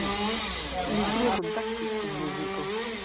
Li frue kontaktis kun muziko.